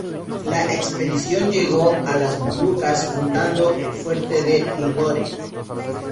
La expedición llegó a las Molucas, fundando el fuerte de Tidore.